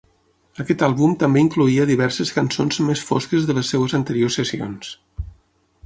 Aquest àlbum també incloïa diverses cançons més fosques de les seves anteriors sessions.